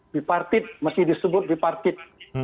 di partit masih disebut di partit